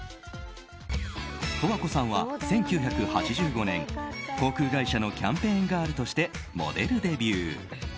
十和子さんは１９８５年航空会社のキャンペーンガールとしてモデルデビュー。